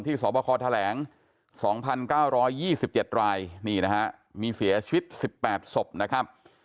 ที่สวบคอแทรง๒๙๒๗รายนี่นะครับมีเสียชีวิต๑๘ศพนะครับ